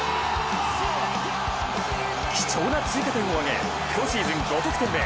貴重な追加点を挙げ、今シーズン５得点目。